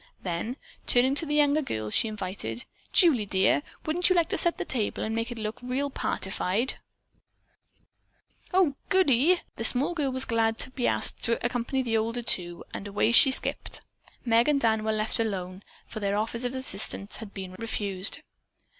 Then, turning to the younger girl, she invited: "Julie, dear, wouldn't you like to set the table and make it look real partified?" "Oh, goodie!" The small girl was glad to be asked to accompany the older two and away she skipped. Meg and Dan were left alone, for their offers of assistance had been refused.